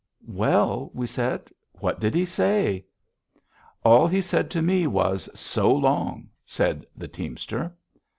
"Well," we said; "what did he say?" "All he said to me was, 'So long,'" said the teamster.